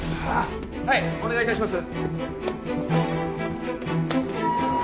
はいお願いいたします。